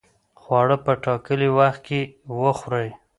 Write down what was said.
خواړه په ټاکلي وخت کې وخورئ.